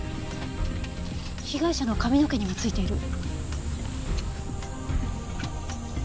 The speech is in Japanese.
被害者の髪の毛にも付いている。